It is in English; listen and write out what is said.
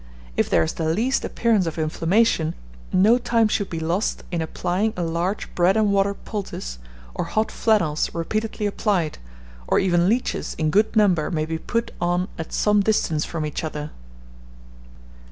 If there is the least appearance of inflammation, no time should be lost in applying a large bread and water poultice, or hot flannels repeatedly applied, or even leeches in good numbers may be put on at some distance from each other.